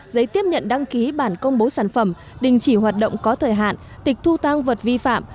giấy tiếp nhận đăng ký bản công bố sản phẩm đình chỉ hoạt động có thời hạn tịch thu tăng vật vi phạm